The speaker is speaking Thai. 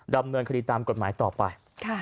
ดำเนินคดีตามกฎหมายต่อไป